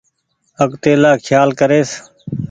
آگتيلآ کيال ڪريس۔